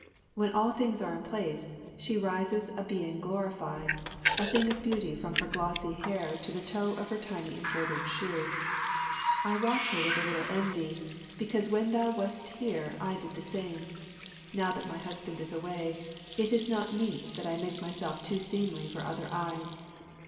When all things are in place, she rises a being glorified, a thing of beauty from her glossy hair to the toe of her tiny embroidered shoe. I watch her with a little envy, because when thou wast here I did the same. Now that my husband is away, it is not meet that I make myself too seemly for other eyes.